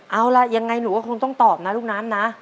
เอาล่ะยังไงหนูก็คงต้องตอบนะลูกน้ำนะ